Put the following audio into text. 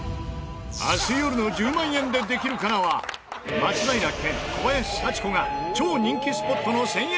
明日よるの『１０万円でできるかな』は松平健小林幸子が超人気スポットの１０００円ガチャを捜査。